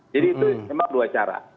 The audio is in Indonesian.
jadi itu memang dua cara